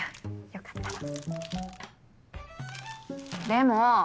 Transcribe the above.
よかったら。